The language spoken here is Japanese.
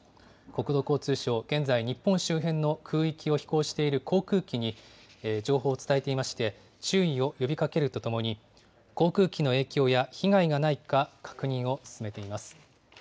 国土交通省、現在日本周辺の空域を飛行している航空機に情報を伝えていまして、注意を呼びかけるとともに、航空機の影響や、被害がないか確認を進めています。